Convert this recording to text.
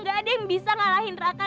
gak ada yang bisa ngalahin raka